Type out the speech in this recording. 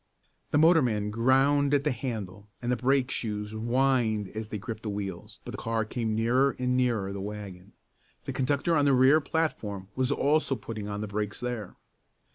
The motorman ground at the handle, and the brake shoes whined as they gripped the wheels, but the car came nearer and nearer the wagon. The conductor on the rear platform was also putting on the brakes there.